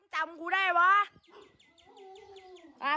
จำกูได้หรอ